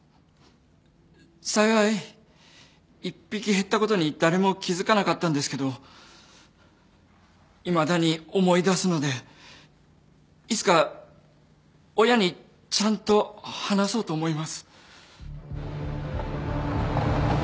幸い１匹減ったことに誰も気付かなかったんですけどいまだに思い出すのでいつか親にちゃんと話そうと思います。